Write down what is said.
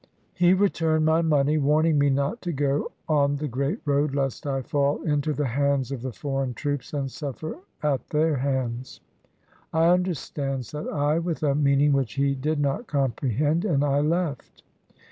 He returned my money, warning me not to go on the Great Road lest I fall into the hands of the foreign troops and sufifer at their hands. "I understand," said I, with a meaning which he did not comprehend, and I left.